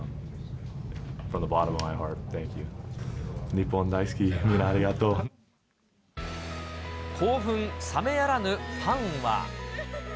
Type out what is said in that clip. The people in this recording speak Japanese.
日本大好き、みんなありがと興奮冷めやらぬファンは。